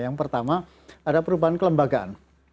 yang pertama ada perubahan kelembagaan